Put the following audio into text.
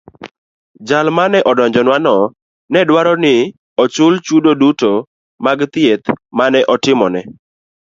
Jal mane odonjonwano ne dwaro ni ochul chudo duto mag thieth mane otimne.